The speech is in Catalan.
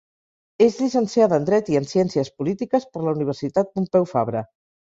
És llicenciada en Dret i en Ciències Polítiques per la Universitat Pompeu Fabra.